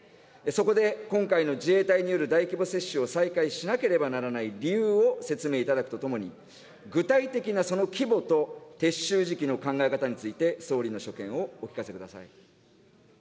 そこで今回の自衛隊による大規模接種を再開しなければならない理由を説明いただくとともに、具体的なその規模と、撤収時期の考え方について、総理の所見をお聞かせください。